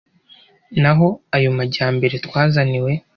N'aho ayo majyambere twazaniwe